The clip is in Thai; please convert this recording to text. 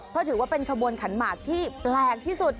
เพราะถือว่าเป็นขบวนขันหมากที่แปลกที่สุด